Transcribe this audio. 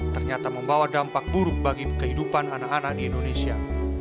ternyata membawa dampak buruk bagi kehidupan anak anak di indonesia